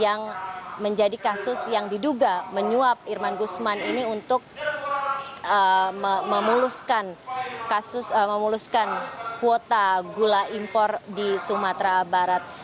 yang menjadi kasus yang diduga menyuap irman gusman ini untuk memuluskan kasus memuluskan kuota gula impor di sumatera barat